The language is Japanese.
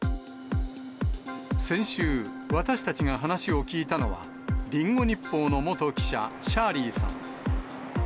先週、私たちが話を聞いたのは、リンゴ日報の元記者、シャーリーさん。